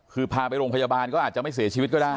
คือพาไปโรงพยาบาลก็อาจจะไม่เสียชีวิตก็ได้